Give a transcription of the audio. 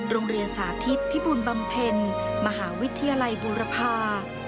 โรงเรียนสาธิตพิบูลบำเพ็ญมหาวิทยาลัยบูรพา